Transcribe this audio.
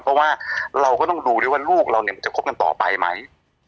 เพราะว่าเราก็ต้องดูด้วยว่าลูกเราเนี่ยมันจะคบกันต่อไปไหม